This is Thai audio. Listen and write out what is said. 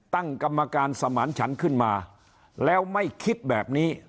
ตั้งกรรมการสมานฉันขึ้นมาแล้วไม่คิดแบบนี้